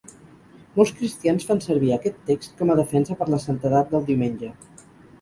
Molts cristians fan servir aquest text com a defensa per la santedat del Diumenge.